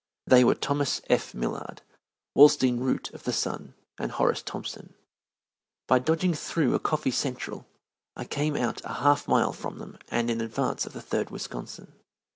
They were Thomas F. Millard, Walstein Root of the Sun, and Horace Thompson. By dodging through a coffee central I came out a half mile from them and in advance of the Third Wisconsin.